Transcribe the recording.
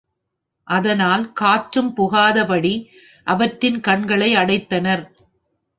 அதனால் காற்றும் புகாதபடி அவற்றின் கண்களை அடைத்தனர்.